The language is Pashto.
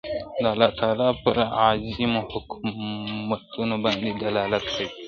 د الله تعالی پر عظيمو حکمتونو باندي دلالت کوي.